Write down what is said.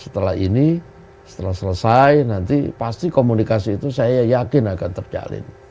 setelah ini setelah selesai nanti pasti komunikasi itu saya yakin akan terjalin